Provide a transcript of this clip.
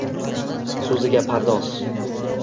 so’ziga pardoz.